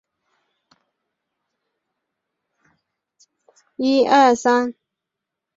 丽翅小瓢叶蚤为金花虫科小瓢叶蚤属下的一个种。